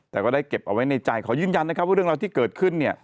แต่ก็ได้เก็บเอาไว้ในใจขอยืนยันนะครับว่าเรื่องราวที่เกิดขึ้นเนี่ย